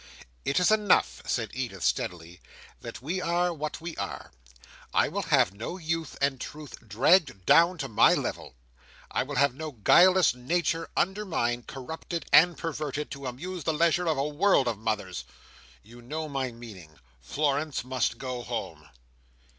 "It is enough," said Edith, steadily, "that we are what we are. I will have no youth and truth dragged down to my level. I will have no guileless nature undermined, corrupted, and perverted, to amuse the leisure of a world of mothers. You know my meaning. Florence must go home."